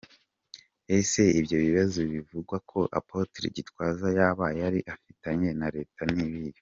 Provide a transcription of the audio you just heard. Ese ibyo bibazo bivugwa ko Apotre Gitwaza yaba yari afitanye na Leta ni ibihe ?